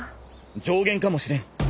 上弦かもしれん。